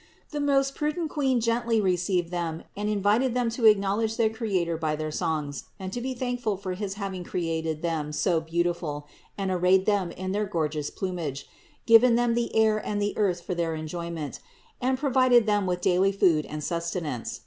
The most prudent Queen gently THE INCARNATION 545 received them and invited them to acknowledge their Creator by their songs and to be thankful for his having created them so beautiful and arrayed them in their gorgeous plumage, given them the air and the earth for their enjoyment, and provided them with daily food and sustenance.